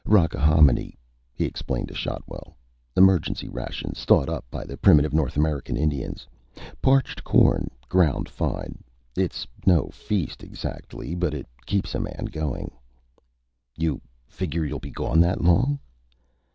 "Rockahominy," he explained to Shotwell. "Emergency rations thought up by the primitive North American Indians. Parched corn, ground fine. It's no feast exactly, but it keeps a man going." "You figure you'll be gone that long?"